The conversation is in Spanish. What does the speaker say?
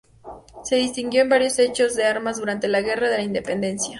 Se distinguió en varios hechos de armas durante la guerra de la Independencia.